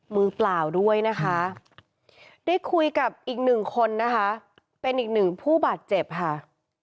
มือเปล่าด้วยนะคะได้คุยกับอีกหนึ่งคนนะคะเป็นอีกหนึ่งผู้บาดเจ็บค่ะ